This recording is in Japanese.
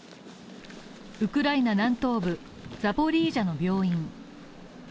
ウクライナ南東部ザポリージャの病院。